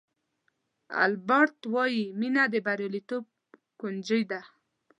البرټ وایي مینه د بریالیتوب کونجي ده.